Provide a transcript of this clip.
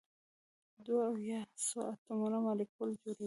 دوه او یا څو اتومونه مالیکول جوړوي.